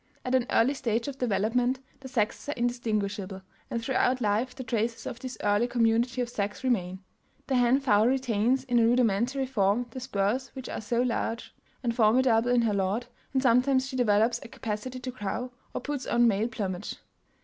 At an early stage of development the sexes are indistinguishable, and throughout life the traces of this early community of sex remain. The hen fowl retains in a rudimentary form the spurs which are so large and formidable in her lord, and sometimes she develops a capacity to crow, or puts on male plumage.